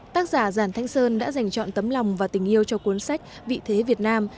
tác giả giản thanh sơn đã dành chọn tấm lòng và tình yêu cho cuốn sách vị thế việt nam